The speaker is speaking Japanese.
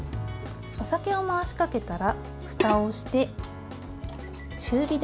お酒を回しかけたらふたをして中火で熱します。